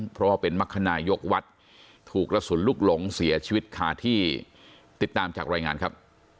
เพราะว่าเป็นมรรคนายกวัดถูกกระสุนลูกหลงเสียชีวิตคาที่ติดตามจากรายงานครับ